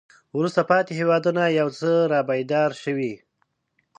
وروسته پاتې هېوادونه یو څه را بیدار شوي.